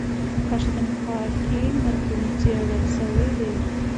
پښتونخوا کي متون څېړل سوي دي.